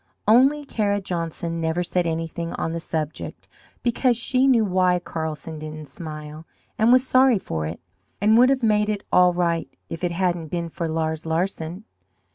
Only Kara Johnson never said anything on the subject because she knew why Carlsen didn't smile, and was sorry for it, and would have made it all right if it hadn't been for Lars Larsen.